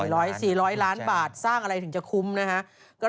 ไร่ละ๔๐๐ล้าน๔๐๐ล้านบาทสร้างอะไรถึงจะคุ้มนะฮะ